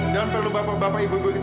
dan perlu bapak bapak ibu ibu ketahui